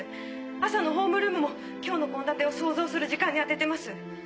朝のホームルームも今日の献立を想像する時間に充ててます。